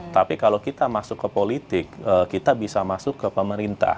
tapi kalau kita masuk ke politik kita bisa masuk ke pemerintah